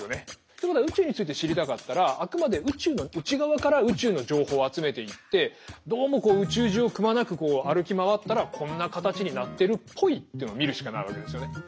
ってことは宇宙について知りたかったらあくまで宇宙の内側から宇宙の情報を集めていってどうも宇宙中をくまなく歩き回ったらこんな形になってるっぽいというのを見るしかないわけですよね。